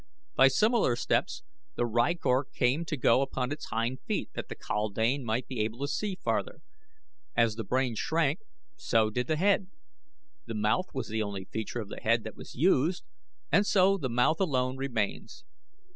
By similar steps the rykor came to go upon its hind feet that the kaldane might be able to see farther. As the brain shrank, so did the head. The mouth was the only feature of the head that was used and so the mouth alone remains.